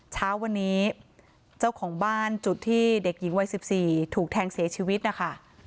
เช้าวันนี้เจ้าของบ้านจุดที่เด็กหญิงวัย๑๔ถูกแทงเสียชีวิตนะคะ